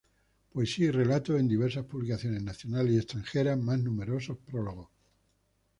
Poesía y relatos en diversas publicaciones nacionales y extranjeras, más numerosos prólogos.